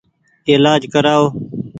ايلآج ڪرآئو ۔